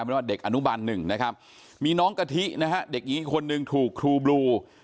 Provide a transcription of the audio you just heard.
เป็นว่าเด็กอนุบันหนึ่งนะครับมีน้องกะทินะฮะเด็กหญิงอีกคนนึงถูกครูบลู